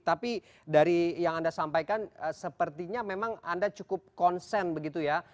tapi dari yang anda sampaikan sepertinya memang anda cukup konsen begitu ya